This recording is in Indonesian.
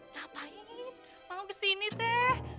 ngapain mau kesini teh